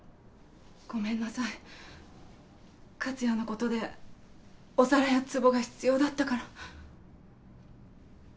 ごめんなさい克哉のことでお皿やつぼが必要だったから。